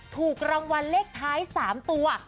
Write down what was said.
ถูกรางวัลเลขท้าย๓ตัว